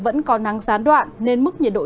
vẫn còn nắng sán đoạn nên mức nhiệt độ